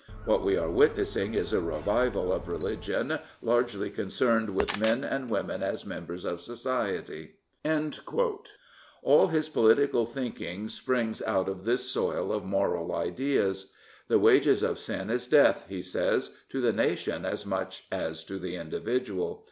What we are witnessing is a revival of religion largely concerned with men and women as members of society." All his political thinking springs out of this soil of moral ideas. " The wages of sin is death," he says, " to the nation as much as to the individual.